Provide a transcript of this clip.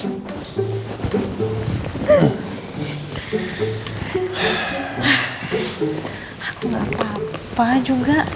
aku gak apa apa juga